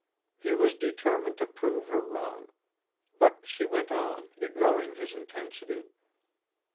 He was determined to prove her wrong. But she went on, ignoring his intensity.